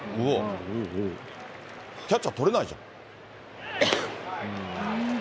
キャッチャー捕れないでしょ。